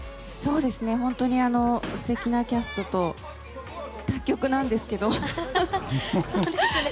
本当に素敵なキャストと他局なんですけど。